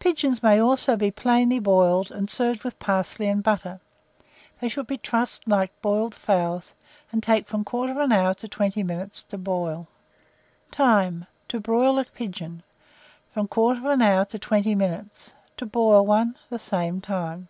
Pigeons may also be plainly boiled, and served with parsley and butter; they should be trussed like boiled fowls, and take from 1/4 hour to 20 minutes to boil. Time. To broil a pigeon, from 1/4 hour to 20 minutes; to boil one, the same time.